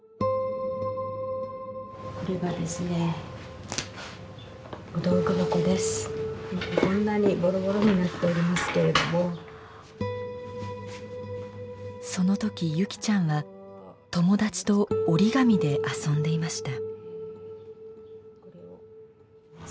これがですねその時優希ちゃんは友達と折り紙で遊んでいました。